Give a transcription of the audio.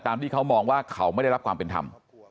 ที่เขามองว่าเขาไม่ได้รับความเป็นธรรม